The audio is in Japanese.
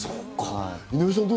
井上さんは？